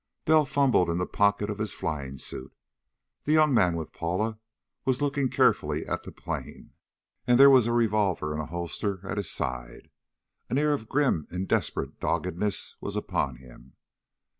Bell fumbled in the pocket of his flying suit. The young man with Paula was looking carefully at the plane. And there was a revolver in a holster at his side. An air of grim and desperate doggedness was upon him.